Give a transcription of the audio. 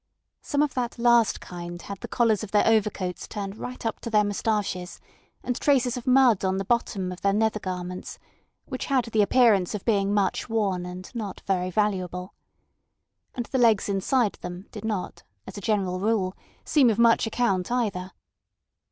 Some of that last kind had the collars of their overcoats turned right up to their moustaches, and traces of mud on the bottom of their nether garments, which had the appearance of being much worn and not very valuable. And the legs inside them did not, as a general rule, seem of much account either.